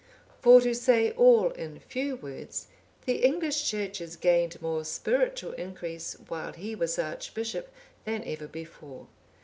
For to say all in few words, the English Churches gained more spiritual increase while he was archbishop, than ever before.